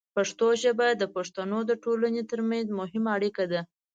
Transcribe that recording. پښتو ژبه د پښتنو د ټولنې ترمنځ مهمه اړیکه ده.